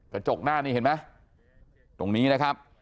กระจกหน้านี่เห็นไหมตรงนี้นะครับ